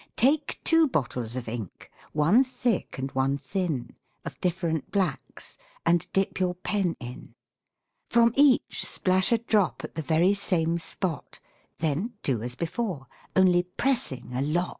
Take two bottles of ink, one thick and one thin, Of different blacks, and dip your pen in; From each splash a drop at the very same spot, Then do as before, only pressing a lot.